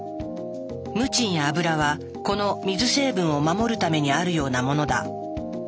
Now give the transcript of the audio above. ムチンや油はこの水成分を守るためにあるようなものだ。